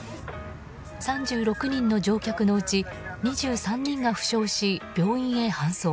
３６人の乗客のうち２３人が負傷し、病院へ搬送。